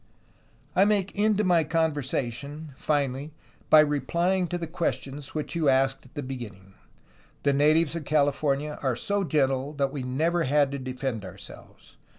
"I make end to my conversation, finally, by replying to the questions which you asked at the beginning. The natives of Cali fornia are so gentle that we never had to defend ourselves.